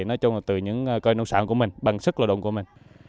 nói chung là từ những cây nông sản của mình bằng sức lao động của mình